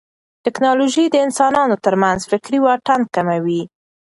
ټیکنالوژي د انسانانو ترمنځ فکري واټن کموي.